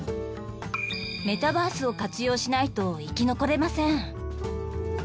メタバースを活用しないと生き残れません。